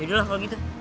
ya udah lah kalau gitu